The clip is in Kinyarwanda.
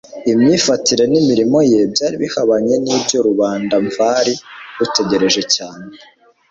Imyifatire n'imirimo ye byari bihabanye n'ibyo rubanda mvari rutegereje cyane